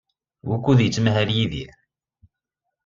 Wukud yettmahal Yidir?